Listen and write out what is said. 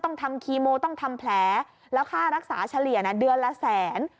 ต้องทำคีโมต้องทำแผลแล้วค่ารักษาเฉลี่ยเดือนละแสน